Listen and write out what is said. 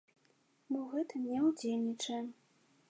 Мы ў гэтым не ўдзельнічаем.